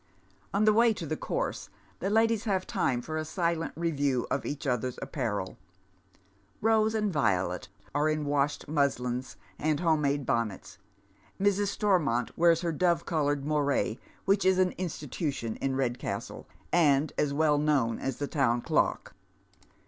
On the way to the com se the ladies have time for a silent review of each other's apparel. Eose and Violet are in washed muslins and home made bonnets. Mrs. Stonnont wears her dove coloured moire, which is an institution in Eedcastle, and as well known as the town clock.